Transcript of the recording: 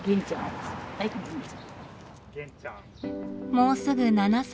もうすぐ７歳。